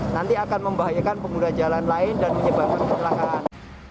nanti akan membahayakan pengguna jalan lain dan menyebabkan kecelakaan